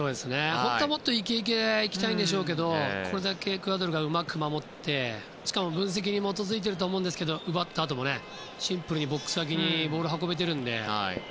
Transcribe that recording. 本当はもっとイケイケで行きたいんですけどこれだけエクアドルがうまく守ってしかも、分析に基づいていると思うんですけど奪ったあともシンプルにボックス脇にボールを運べているので。